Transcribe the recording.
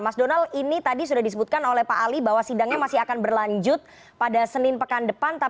mas donal ini tadi sudah disebutkan oleh pak ali bahwa sidangnya masih akan berlanjut pada senin pekan depan